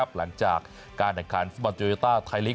หลังจากการอันการณ์ฟิฟอร์ดยอยต้าไทยลิก